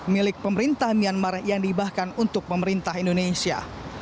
milik pemerintah myanmar yang dihibahkan untuk pemerintah indonesia